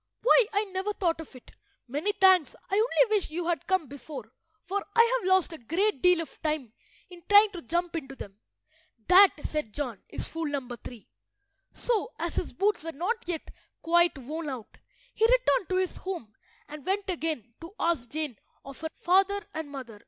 "Why, I never thought of it! Many thanks. I only wish you had come before, for I have lost a great deal of time in trying to jump into them." "That," said John, "is fool number three." So, as his boots were not yet quite worn out, he returned to his home and went again to ask Jane of her father and mother.